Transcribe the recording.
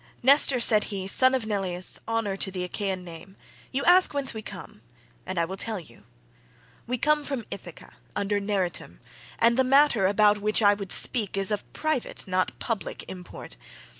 "Nestor," said he, "son of Neleus, honour to the Achaean name, you ask whence we come, and I will tell you. We come from Ithaca under Neritum,28 and the matter about which I would speak is of private not public import.